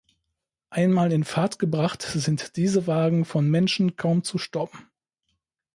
Einmal in Fahrt gebracht, sind diese Wagen von Menschen kaum zu stoppen.